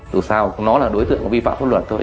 dù sao nó là đối tượng vi phạm pháp luật thôi